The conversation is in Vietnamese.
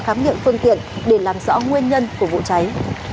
khám nghiệm phương tiện để làm rõ nguyên nhân của vụ cháy